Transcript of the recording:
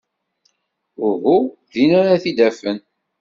Uhu. Din ara t-id-afen.